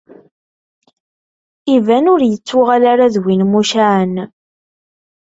Iban ur yettuɣal ara d win mucaɛen.